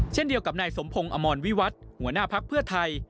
เช่นเดียวกับนายสมพงศ์อมรวิวัฒน์หัวหน้าภักดิ์เพื่อไทย